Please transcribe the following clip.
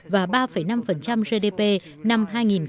và ba năm gdp năm hai nghìn một mươi tám